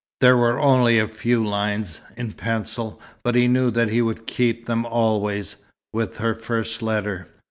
There were only a few lines, in pencil, but he knew that he would keep them always, with her first letter.